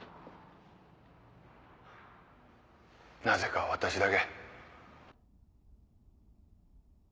なぜか私だけ。